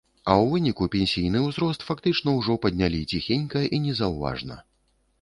А ў выніку пенсійны ўзрост фактычна ўжо паднялі ціхенька і незаўважна.